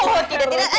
oh tidak tidak